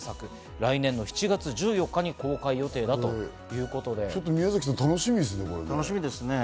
来年の７月１４日に公開予定だということで宮崎さん、これ楽しみですね。